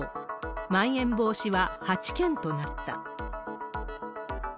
まん延防止は８県となった。